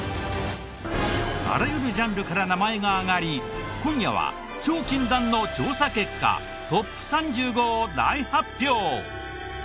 あらゆるジャンルから名前が挙がり今夜は超禁断の調査結果トップ３５を大発表！